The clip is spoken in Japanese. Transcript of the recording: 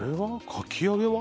かき揚げは？